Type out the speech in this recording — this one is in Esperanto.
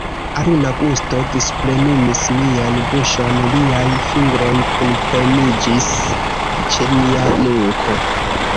Aluna gusto displenumis mian buŝon, liaj fingroj kunpremiĝis ĉe mia nuko.